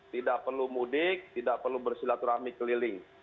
tidak perlu mudik tidak perlu bersilaturahmi keliling